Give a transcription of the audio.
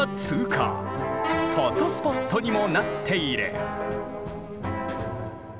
フォトスポットにもなっている。